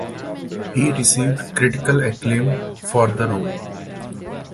He received critical acclaim for the role.